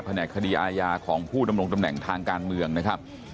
แหนกคดีอาญาของผู้ดำรงตำแหน่งทางการเมืองนะครับ